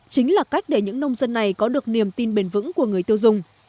chính là cách để những nông dân này có được niềm tin bền vững của người tiêu dùng